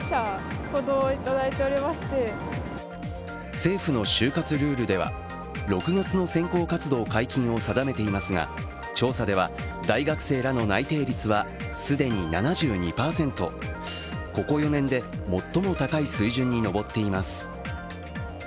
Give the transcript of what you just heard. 政府の就活ルールでは６月の選考活動解禁を定めていますが、調査では、大学生らの内定率は既に７２％、ここ４年で、最も高い水準に上っています。